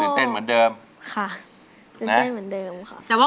แก้มขอมาสู้เพื่อกล่องเสียงให้กับคุณพ่อใหม่นะครับ